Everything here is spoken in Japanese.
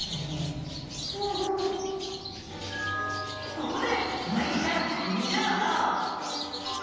ここでうなぎちゃんミニ情報。